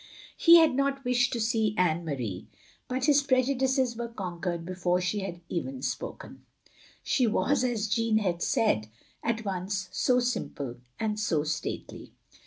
• He had not wished to see Anne Marie, but OP GROSVENOR SQUARE 353 his prejudices were conquered before she had even spoken. She was, as Jeanne had said, at once so simple and so stately.